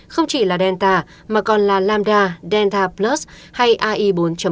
không chỉ là delta mà còn là lambda delta plus hay ai bốn hai